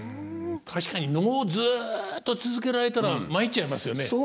確かに能をずっと続けられたら参っちゃいますよね。